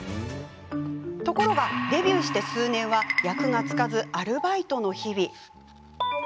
ところがデビューして数年は役がつかずアルバイトの日々。